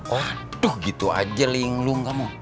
waduh gitu aja linglung kamu